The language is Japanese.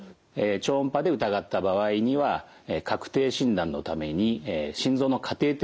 超音波で疑った場合には確定診断のために心臓のカテーテル検査を行います。